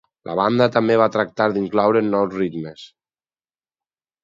La banda també va tractar d'incloure nous ritmes.